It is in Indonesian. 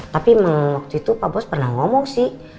tapi memang waktu itu pak bos pernah ngomong sih